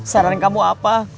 saran kamu apa